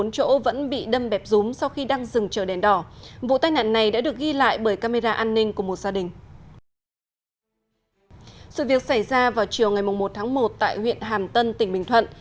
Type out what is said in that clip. sự việc xảy ra vào chiều ngày một tháng một tại huyện hàm tân tỉnh bình thuận